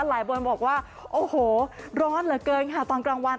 หลายคนบอกว่าโอ้โหร้อนเหลือเกินค่ะตอนกลางวัน